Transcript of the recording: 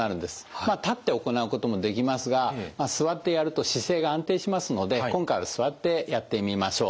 立って行うこともできますが座ってやると姿勢が安定しますので今回は座ってやってみましょう。